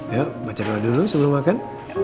ya baca doa dulu sebelum makan